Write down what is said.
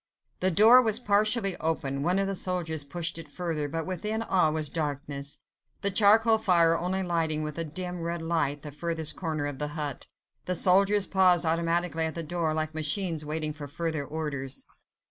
The door was partially open; one of the soldiers pushed it further, but within all was darkness, the charcoal fire only lighting with a dim, red light the furthest corner of the hut. The soldiers paused automatically at the door, like machines waiting for further orders.